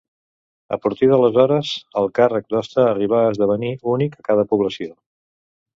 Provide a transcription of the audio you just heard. A partir d'aleshores, el càrrec d'hoste arribà a esdevenir únic a cada població.